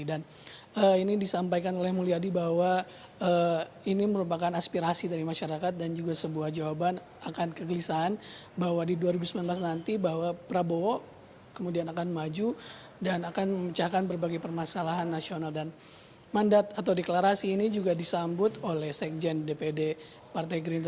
dan ini disampaikan oleh mulyadi bahwa ini merupakan aspirasi dari masyarakat dan juga sebuah jawaban akan kegelisahan bahwa di dua ribu sembilan belas nanti bahwa prabowo kemudian akan maju dan akan memecahkan berbagai permasalahan nasional dan mandat atau deklarasi ini juga disambut oleh sekjen dpd partai gerindra